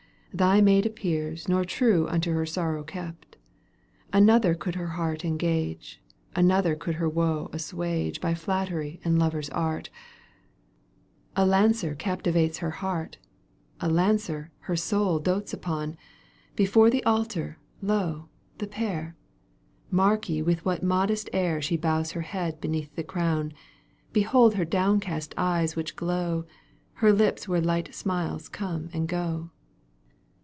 thy maid appears, Nor true unto her sorrow kept. Another could her heart engage, Another could her woe assuage By flattery and lover's art — A lancer captivates her heart ! A lancer her soul dotes upon : Digitized by CjOOQ 1С 192 EUGENE ONEGUINE. canto vn. Before the altar, lo ! the pair, ^ Mark ye with what a modest air She bows her head beneath the crown ;^ Behold her downcast eyes which glow, Her lips where light smiles come and go